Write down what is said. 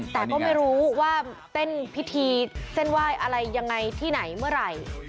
แต่ก็ไม่รู้ว่าเต้นพิธีเส้นไหว้อะไรยังไงที่ไหนเมื่อไหร่